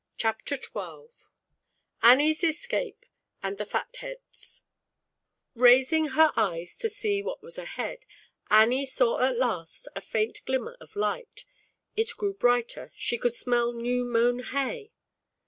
Chapter XII Annie's Escape and the Fat Heads ^^^^ HER eyes to see what was ahead, Annie saw at last a faint glimmer of light. It grew brighter, she could smell new mown hay.